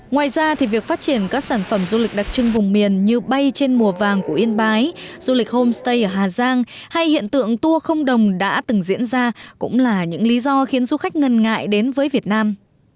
ngoài ra thì việc phát triển các sản phẩm du lịch đặc trưng vùng miền như bay trên mùa vàng của yên bái du lịch homestay ở hà giang hay hiện tượng tour không đồng đã từng diễn ra cũng là những lý do khiến du khách ngần ngại đến với việt nam